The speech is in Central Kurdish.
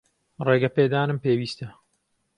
ڕێگەپێدانم پێویستە.